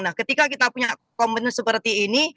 nah ketika kita punya komitmen seperti ini